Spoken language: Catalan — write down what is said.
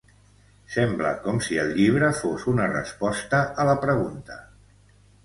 Sembla com si el llibre fos una resposta a la pregunta.